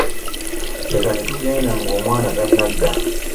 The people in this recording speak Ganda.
Leka ne tugenda ng'omwana tannadda.